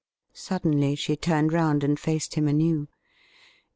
Suddenly she turned round and faced him anew.